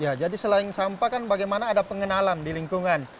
ya jadi selain sampah kan bagaimana ada pengenalan di lingkungan